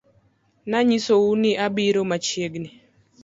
Nanyisou ni abiro machiegni